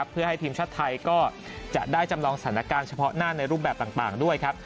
เพื่อให้ทีมชาติไทยก็จะได้จำลองสถานการณ์เฉพาะหน้าในรูปแบบต่างด้วยครับ